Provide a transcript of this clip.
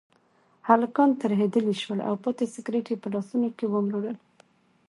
هلکان ترهېدلي شول او پاتې سګرټ یې په لاسونو کې ومروړل.